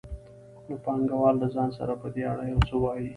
نو پانګوال له ځان سره په دې اړه یو څه وايي